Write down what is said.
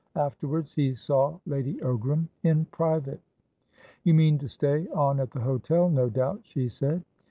Afterwards, he saw Lady Ogram in private. "You mean to stay on at the hotel, no doubt," she said.